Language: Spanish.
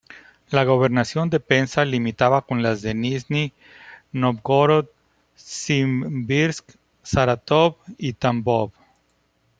La gobernación de Penza limitaba con las de Nizhni Nóvgorod, Simbirsk, Sarátov y Tambov.